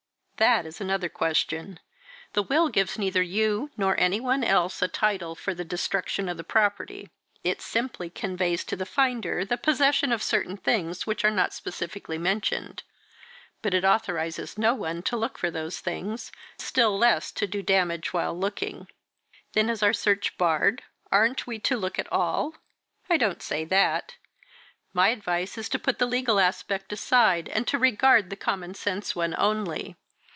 "That is another question. The will gives neither you nor any one else a title for the destruction of property. It simply conveys to the finder the possession of certain things which are not specifically mentioned. But it authorises no one to look for those things, still less to do damage while looking." "Then is our search barred? Aren't we to look at all?" "I don't say that. My advice is to put the legal aspect aside, and to regard the common sense one only.